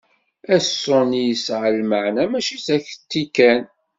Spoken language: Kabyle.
Aṣuni yesɛa lmaɛna mačči d aketti kan.